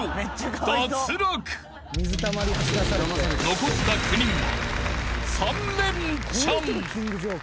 ［残った９人は］